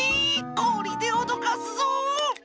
こりでおどかすぞ！